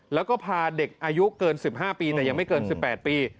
แล้วก็พาเด็กอายุเกิน๑๕ปีแต่ยังไม่เกิน๑๘ปี